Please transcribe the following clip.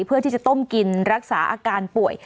เพื่อที่จะต้มกินรักษาอาการป่วย